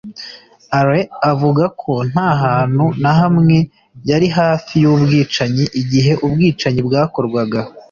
alain avuga ko nta hantu na hamwe yari hafi y'ubwicanyi igihe ubwicanyi bwakorwaga